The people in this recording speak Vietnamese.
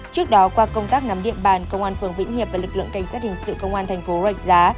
trước đó qua công tác nắm địa bàn công an phường vĩnh hiệp và lực lượng cảnh sát hình sự công an thành phố rạch giá